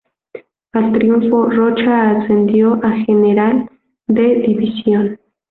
Al triunfo, Rocha ascendió a general de división.